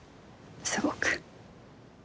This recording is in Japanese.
すごく。